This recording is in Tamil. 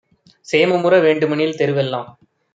சேமமுற வேண்டுமெனில் தெருவெல்லாம்